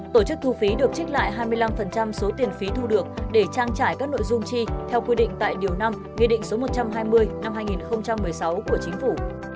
tổ chức thu phí được trích lại hai mươi năm số tiền phí thu được để trang trải các nội dung chi theo quy định tại điều năm nghị định số một trăm hai mươi năm hai nghìn một mươi sáu của chính phủ